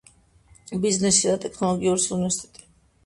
ბიზნესისა და ტექნოლოგიების უნივერსიტეტი